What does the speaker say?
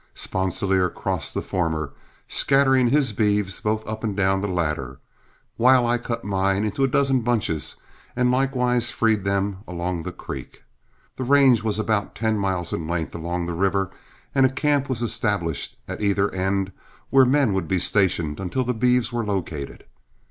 Sponsilier crossed the former, scattering his beeves both up and down the latter, while I cut mine into a dozen bunches and likewise freed them along the creek. The range was about ten miles in length along the river, and a camp was established at either end where men would be stationed until the beeves were located.